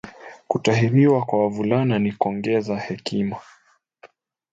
Kutahiriwa kwa wavulana ni kongeza hekima